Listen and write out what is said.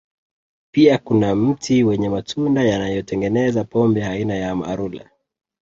Pia kuna mti wenye matunda yanayotengeneza pombe aina ya Amarula